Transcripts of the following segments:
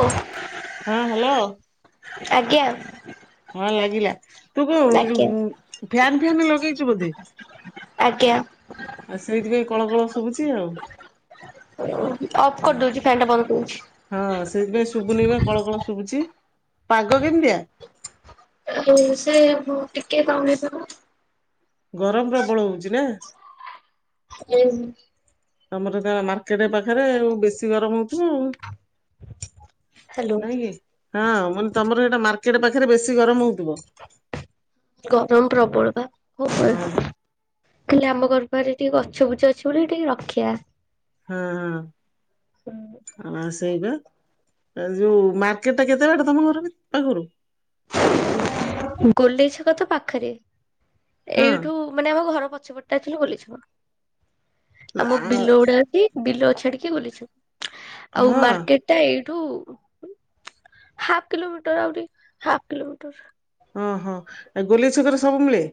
ଓ ହଁ ହ୍ୟାଲୋ। ଆଜ୍ଞା। ହଁ ଲାଗିଲା ତୁ କଣ ଆଜ୍ଞା ଯୋଉ ଫ୍ୟାନ ଫାନ ଲଗେଇଚୁ ବୋଧେ? ଆଜ୍ଞା ଆଉ ସେଇଥିପାଇଁ କଳ କଳ ଶୁବୁଚି ଆଉ ହଁ। ଫ୍ୟାନ ଟା ବନ୍ଦ କରୁଚି। ହଁ ସେଥିପାଇଁ ଶୁବୁନି ବା କଳ କଳ ଶୁବୁଚି। ପାଗ କେମିତିଆ? ଆଉ ସେ ଟିକେ କମେଇ ଦେଲ। ଗରମ ପ୍ରବଳ ହଉଚି ନା? [unintelligible] ତମର ମାର୍କେଟ ପାଖରେ ଆଉ ବେଶୀ ଗରମ ହଉଥିବ ଆଉ। ହ୍ୟାଲୋ ନୁହଁ କି? ହଁ ମାନେ ତମର ଏଇଟା ମାର୍କେଟ ପାଖରେ ବେଶୀ ଗରମ ହଉଥିବ? ଗରମ ପ୍ରବଳ ବା ହଁ ବା [unintelligible] ଖାଲି ଆମ ଘର ପାଖରେ ଟିକେ ଗଛ ବୁଛ ଅଛି ବୋଲି ଟିକେ ରକ୍ଷା। ହଁ ହଁ ଆ ସ ସେଇବା ଯୋଉ ମାର୍କେଟ ଟା କେତେ ବାଟ ତମ ଘର ପାଖରୁ? ଗଲେଇ ଛକ ତ ପାଖରେ। ହଁ ଏଇଠୁ ମାନେ ଆମ ଘର ପଛପଟଟା ଥିଲୁ ଗୋଲେଇ ଛକ ଆ ଆମ ହଁ ବିଲଗୁଡା ଅଛି। ବିଲ ଛାଡିକି ଗୋଲେଇ ଛକ ଆଉ ମାର୍କେଟ। ଟା ଏଇଠୁ ହାଫ୍ କିଲୋମିଟର ଆହୁରି ହାଫ୍ କିଲୋମିଟର। ଓଁ ହଁ ଆଉ ଗୋଲେଇଛକରେ ସବୁ ମିଳେ।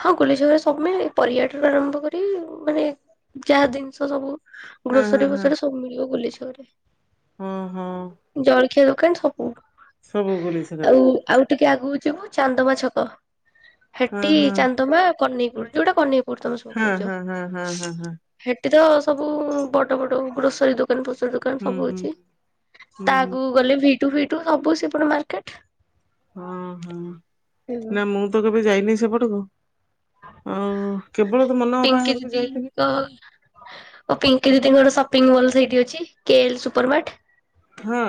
ହଁ ଗୋଲେଇ ଛକରେ ସବୁମିଳେ ପରିବା ଠାରୁ ଆରମ୍ଭ କରି ମାନେ। ଯାହା ଜିନିଷ ସବୁ ହଁ ହଁ ଗ୍ରୋସରୀ ହଁ ଫୋସରୀ ସବୁ ମିଳିବ ଗୋଲେଇ ଛକରେ। ହଁ ହଁ ଜଳଖିଆ ଦୋକାନ ସବୁ ସବୁ ଗୁଲିଛା କରେ ଆଉ, ଆଉ। ଟିକେ ଆଗକୁ ଯିବ ଚାନ୍ଦମା ଛକ। ହଁ ଟି ହଁ ଚାନ୍ଦମା କହ୍ନେଇପୁର ଯୋଉଟା କହ୍ନେଇପୁର ତମେ ସବୁ ହଁ କହୁଛ। ହଁ ହଁ ହଁ ହଁ ହଁ ସେଠି ତ ସବୁ ବଡ ବଡ ଗ୍ରୋସରୀ ଦୋକାନ ପଛପଟେ। ଦୋକାନ ହୁଁ ସବୁ ହୁଁ ଅଛି ହୁଁ ହୁଁ ତାଆଗକୁ ଗଲେ ଭିଟୁ ଫିଟୁ ସବୁ ସେପଟ ମାର୍କେଟ। ହଁ ହଁ ନା ମୁଁ ତ କେବେ ଯାଇନି ସେପଟକୁ। ଆଉ କେବଳ ତ ମନଅପାଘରକୁ ଯାଇଥିଲି। ହଁ ଓ ପିଙ୍କି ଦିଦିଙ୍କର ସପିଙ୍ଗ ମଲ୍ ସେଇଠି ଅଛି କେ ଏଲ ସୁପର ମାର୍ଟ। ହଁ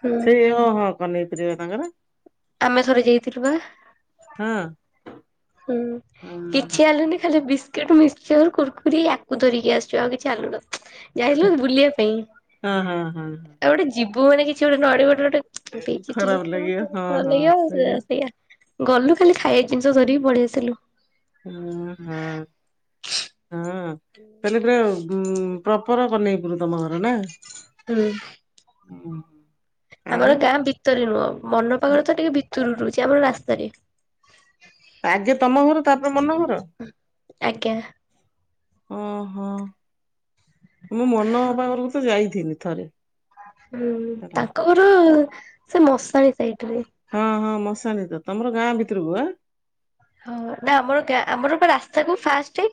ହୁଁ ସେଇ ହଁ ହଁ କହ୍ନେଇପୁର ବା ତାଙ୍କର। ଆମେ ଥରେ ଯାଇଥିଲୁ ବା। ହଁ। ହୁଁ ହଁ କିଛି ଆଣିଲୁନି ଖାଲି ବି ବିସ୍କୁଟ, ମିସ୍କଚର୍, କୁର୍କୁରି ୟାକୁ ଧରିକି ଆସିଛୁ, ଆଉ କିଛି ଆଣିଲୁନି। ଯାଇଥିଲୁ ବୁଲିବା ପାଇଁ ହଁ ହଁ ହଁ ହଁ ହଁ। ଆଉ ଗୋଟେ ଯିବୁ ମାନେ କିଛି ଗୋଟେ ନ ଆଣିବୁ ଗୋଟେ ଗୋଟେ। ପିଙ୍କି ଥିଲୁ ଖରାପ ଲାଗିବ ହଁ ଖରାପ ହଁ ଲାଗିବ ଆଉ ସେଇଆ। ଗଲୁ ଖାଲି ଖାଇବା ଜିନିଷ ଧରିକି ପଳେଇ ଆସିଲୁ। ଓ ହଁ ହଁ ତାହେଲେ ପୁରା। ଉୁଁ ପ୍ରପର କହ୍ନେଇପୁର ତମ ଘର ନା। ହୁଁ। ଆଉ ଆମର ଗାଁ ଭିତରେ ନୁହଁ ମନଅପା ଘର ତ ଟିକେ ଭିତରୁ ରହୁଛି ଆମର ରାସ୍ତାରେ। ଆଗେ ତମ ଘର ତାପରେ ମନ ଘର। ଆଜ୍ଞା। ଓହୋ, ମୁଁ ମନଅପା ଘରକୁ ତ ଯାଇଥିଲି ଥରେ। ହୁଁ ହେଲା। ତାଙ୍କ ଘର ସେ ମଶାଣି ସାଇଟ୍ ରେ। ହଁ ହଁ ମଶାଣି ତ ତମର ଗାଁ ଭିତରକୁୁ ଆଁ। ହଁ ନା ଆମର ଗାଁ ଆମର ପା ରାସ୍ତାକୁ ଫାଷ୍ଟେ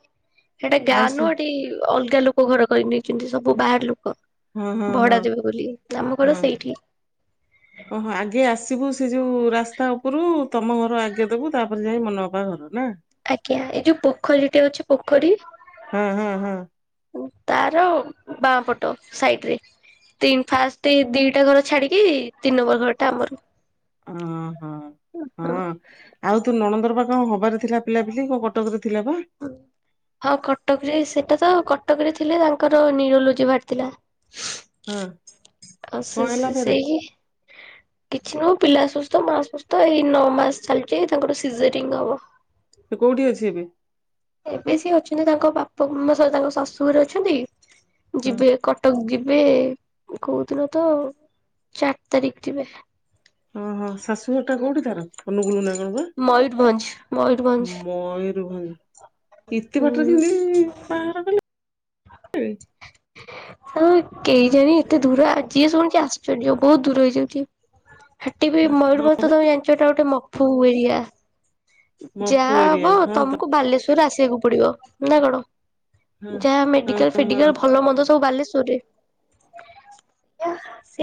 ସେଟା ଗାଁ ଫାଷ୍ଟ ନୁହଁ ଏଠି ଅଲଗା ଲୋକ। ସବୁ ଘର କରି ନେଇଛନ୍ତି ସବୁ ବାହାରଲୋକ ହଁ ହଁ ହଁ ଭଡାଦେବେ ବୋଲି ଆମଘର ହଁ। ସେଇଠି। [inaudible] ଓହୋ ଆଗେ ଆସିବୁ ସେ ଯୋଉ ରାସ୍ତା ଉପରୁ ତମ ଘର ଆଗେ ଦେବୁ ତାପରେ ଯାଇ ମନଅପା ଘର ନା। ଆଜ୍ଞା ଏଇ ଯୋଉ ପୋଖରୀଟେ ଅଛି ପୋଖରୀ। ହୁଁ ହୁଁ ହୁଁ। ତାର ବାଁ ପଟ ସାଇଟ୍ ରେ। ତିନ ଫାଷ୍ଟ୍ ଦିଟା ଘର ଛାଡିକି ତିନି ନମ୍ବର ଘରଟା ଆମର। ଅହ [unintelligible] ହଁ। ଆଉ ତୋ ନଣନ୍ଦର ବା କଣ ହବାର ଥିଲା ପିଲାପିଲି କଣ କଟକରେ ଥିଲା ବା। ହଁ କଟକରେ ସେଟା ତ କଟକରେ ଥିଲେ ତାଙ୍କର ନ୍ୟୁରୋଲୋଜି ବାହାରି ଥିଲା। ହଁ। ଆଉ କଣ ସେ ହେଲା ସେ ଫେରେ ସେଇ। କିଛି ନୁହଁ ପିଲା ସୁସ୍ଥ ମା ସୁସ୍ଥ ଏଇ ନଅ ମାସ ଚାଲିଛି ତାଙ୍କର ସିଜରିଂ ହବ। ସେ କୋଉଠି ଅଛି ଏବେ? ଏବେ ସେ ଅଛନ୍ତି ତାଙ୍କ ବାପା ମ ସରି ତାଙ୍କ ଶଶୁଘରେ ଅଛନ୍ତି ହଁ ଯିବେ କ କଟକ ଯିବେ କୋଉଦିନ ତ? ଚାରି ତାରିଖ ଯିବେ। ଓହୋ ସା ଶାଶୁ ଘରଟା କୋଉଠି ତାର ଅନୁଗୁଳ ନା କଣ ବା ମୟୂରଭଞ୍ଜ ମୟୂରଭଞ୍ଜ ମୟୂରଭଞ୍ଜ। ଏତେ ବାଟରେ ହୁଁ। କେମତି ବାହାଘର କଲେ? ଆଉ କେଜାଣିି ଏତେ ଦୂର ଆ-ଯିଏ ଶୁଣିଚି ଆଶ୍ଚର୍ଯ୍ୟ ବହୁତ୍ ଦୂର ହେଇଯାଉଚି। ହେଟି ବି ମୟୂରଭଞ୍ଜ୍ କଣ ବେ? ତ ତମେ ଜାଣିଚ ଏଟା ଗୋଟେ ମଫୁ ଏରିଆ। ଯା ମଫୁ ଏରିଆ ହବ ହଁ ତ ତମୁକୁ ବାଲେଶ୍ଵର୍ ଶ୍ଵର ଆସିବାକୁ ପଡିବ ନା କଣ ହଁ ଯା ମେଡି ମେଡ଼ିକାଲ୍ ହଁ ଫେଡିକାଲ୍ ଭଲ ମନ୍ଦ ସବୁ ବାଲେଶ୍ଵରରେ।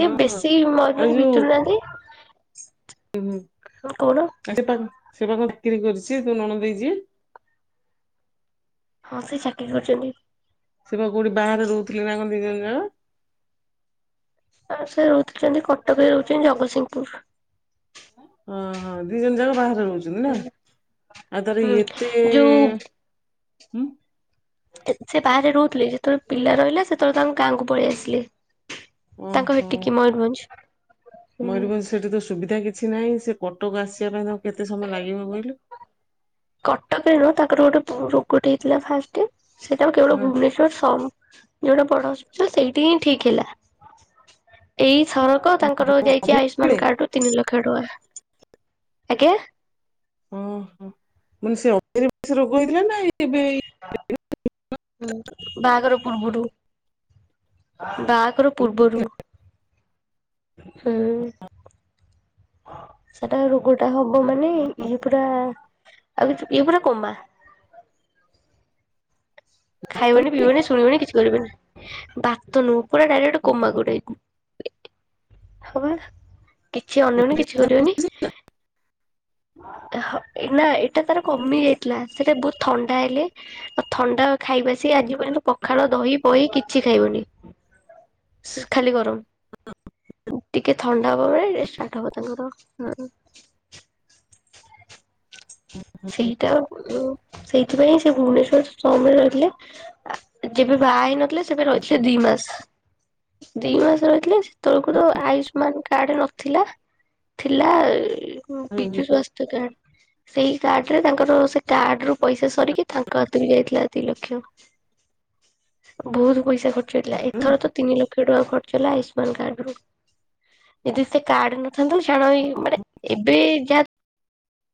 ହଁ ବେଶୀ ଆଉ ମୟୁରଭଞ୍ଜ ଯୋଉ ଭିତୁରୁ ନାହାନ୍ତି [inaudible] ହଁ- କଣ? ଆ ସେ- ପା- ସେ ପା କଣ ବିକିରି କରିଚି ତୋ ନଣଦେଇ ଯିଏ? ହଁ ସେ ଚାକିରି କରୁଚନ୍ତି। ସେ ବା କଉଠି ବାହାରେ ରହୁଥିଲେ ନା କଣ ଦି ଜଣ ଯାକ? ଆଉ ସେ ରହୁଚନ୍ତି କଟକରେ ରହୁଚନ୍ତି ଜଗତସିଂହପୁର୍ ଓ -ହଁ ଦି ଜଣ ଯାକ ବାହାରେ ରହୁଚନ୍ତି ନା? ଆଉ ତାର ହୁଁ ଏତେ- ଯୋଉ ହୁଁ। ଏ-ସେ ବାହାରେ ରହୁଥିଲେ ଯେତେବେଳେ ପିଲା ରହିଲା ସେତେବେଳେ ତାଙ୍କ ଗାଁକୁ ପଳେଇ ଆସିଲେ। ତାଙ୍କ ର ଟିକି ମୟୂରଭଞ୍ଜ୍। ମୟୂରଭଞ୍ଜ୍ ସେଠି ତ ସୁବିଧା କିଛି ନାହିଁ ସେ କଟକ ଆସିବା ପାଇଁ ତାଙ୍କୁ କେତେ ସମୟ ଲାଗିବ କହିଲୁ? କଟକରେ ନୁହୁଁ ତାଙ୍କର ଗୋଟେ ରୋଗ ଟେ ହେଇଥିଲା ଫାଷ୍ଟେ ସେଟା କେବଳ ହଁ। ଭୁବନେଶ୍ଵର ସମ୍ ଯଉଟା ବଡ ହସ୍ପିଟାଲ୍ ସେଇଠି ହିଁ ଠିକ୍ ହେଲା ଏଇ ଥରକ ତାଙ୍କ୍ ତାଙ୍କର ଯାଇଚି ଅଭ୍ୟାସ ବେଳେ ଆୟୁଷ୍ମାନ କାର୍ଡ ରୁ ତିନି ଲକ୍ଷ ଟଙ୍କା ଆଜ୍ଞା। ଓହୋ ମାନେ ସେ [unintelligible] ରୋଗ ହେଇଥିଲା ନା ଏବେ ଏଇ ହୁଁ- ବାହାଘର ପୂର୍ବରୁ। ବାହାଘର ପୂର୍ବରୁ। ହୁ ସେଟା ରୋଗ ଟା ହବ ମାନେ ଇଏ ପୁରା ଆଉ କି- ଇଏ ପୁରା କୋମା। [inaudible] ଖାଇବେନି, ପିଇବେନି, ଶୁଣିବେନି କିଛି କରିବେନି। ବାତ ନୁହୁଁ ପୁରା ଡାଇରେକ୍ଟେ କୋମା କୁ [unintelligible] ହଁ ପରା। କିଛି ଅନେଇବେନି କିଛି କରିବନି ହଁ ଏଇନା ଏ ସେଟା ତାର କମି ଯାଇଥିଲା ସେଟା ବହୁତ୍ ଥଣ୍ଡା ହେଲେ ଆଉ ଥଣ୍ଡା ଖାଇବା ସେ ଆଜି ପର୍ଯ୍ୟନ୍ତ ପଖାଳ ଦହି ପହି କିଛି ଖାଇବନି। ସେ ଖାଲି ଗରମ୍- ରୁଟି। ଟିକେ ଥଣ୍ଡା ହବ ମାନେ ଷ୍ଟାର୍ଟ ହବ ତାଙ୍କର। ହଁ- ସେଇଟା ଉଁ- ସେଇ ସେଥିପାଇଁ ସେ ଭୁବନେଶ୍ଵର ସମ୍ ରେ ରହିଥିଲେ ଆ-ଯେବେ ବାହା ହେଇ ନ ଥିଲେ ସେବେ ରହିଥିଲେ ଦି ମାସ୍ -ଦି ମାସ୍ ରହିଥିଲେ ସେତେବଳକୁ ତ ଆୟୁଷ୍ମାନ କାର୍ଡ ନଥିଲା ଥିଲା ଏଇ ବିଜୁ ସ୍ୱାସ୍ଥ୍ୟ [unintelligible] ସେଇ କାର୍ଡ ରେ ତାଙ୍କର ସେ କାର୍ଡ ରୁ ପଇସା ସରିକି ତାଙ୍କ ହାତରୁ ବି ଯାଇଥିଲା ଦି ଲକ୍ଷ। ବହୁତୁ ପଇସା ଖର୍ଚ୍ଚ ହେଇଥିଲା ଏ ଏଥର ତ ତିନି ଲକ୍ଷ ଟଙ୍କା ଖର୍ଚ୍ଚ ହେଲା ଆୟୁଷ୍ମାନ କାର୍ଡ ରୁ ଯଦି ସେ କାର୍ଡ ନଥାନ୍ତା ଛାଡ ଏଇ ମାନେ ଏବେ ଯାହା